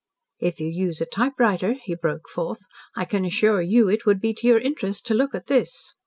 "If you use a typewriter," he broke forth, "I can assure you it would be to your interest to look at this."